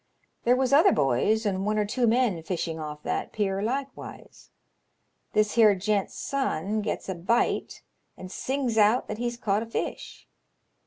" There was other boys and one or two men fishing off that pier likewise. This here gent's son gets a bite, and sings out that he's caught a fish.